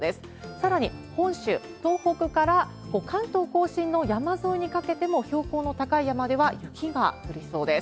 さらに、本州・東北から関東甲信の山沿いにかけても標高の高い山では雪が降りそうです。